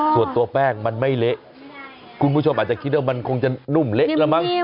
ส่วนตัวแป้งมันไม่เละคุณผู้ชมอาจจะคิดว่ามันคงจะนุ่มเละแล้วมั้ง